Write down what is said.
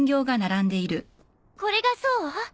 これがそう？